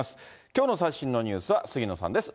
きょうの最新のニュースは杉野さんです。